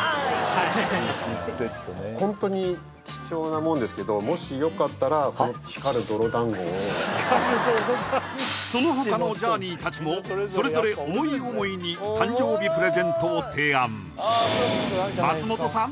はいホントに貴重なもんですけどもしよかったらこの光る泥団子をその他のジャーニー達もそれぞれ思い思いに誕生日プレゼントを提案松本さん